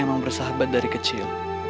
kita emang bersahabat dari kecil